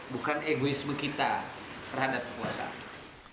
bukan egoisme kita terhadap kekuasaan